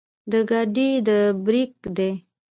د ګاډي د برېک دے